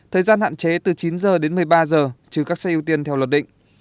thời gian hạn chế từ chín giờ đến một mươi ba giờ chứ các xe ưu tiên theo luật định